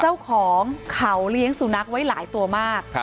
เจ้าของเขาเลี้ยงสุนัขไว้หลายตัวมาก